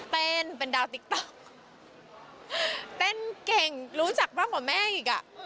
เป็นดาวติ๊กต๊อกเต้นเก่งรู้จักมากกว่าแม่อีกอ่ะ